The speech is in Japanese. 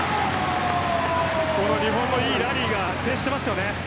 この日本のいいラリーが制しています。